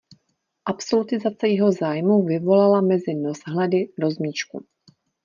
Absolutizace jeho zájmů vyvolala mezi noshledy rozmíšku.